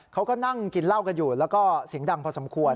เขาก็นั่งกินเหล้ากันอยู่แล้วก็เสียงดังพอสมควร